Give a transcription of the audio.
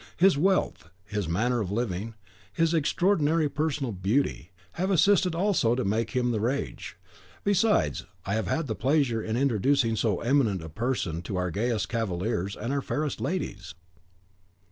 His wealth, his manner of living, his extraordinary personal beauty, have assisted also to make him the rage; besides, I have had the pleasure in introducing so eminent a person to our gayest cavaliers and our fairest ladies."